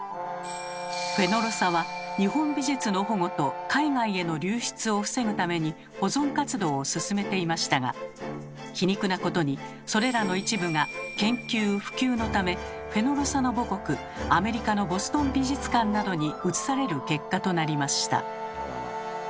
フェノロサは日本美術の保護と海外への流出を防ぐために保存活動を進めていましたが皮肉なことにそれらの一部が研究・普及のためフェノロサの母国アメリカのボストン美術館などに移される結果となりました。